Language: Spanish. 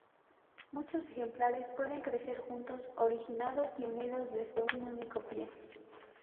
Muchos ejemplares pueden crecer juntos, originados y unidos desde un único pie.